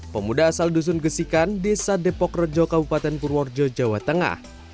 pemuda asal dusun gesikan desa depok rejo kabupaten purworejo jawa tengah